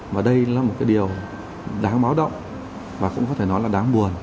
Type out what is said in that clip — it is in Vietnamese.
và đây là một cái điều đáng báo động và cũng có thể nói là đáng buồn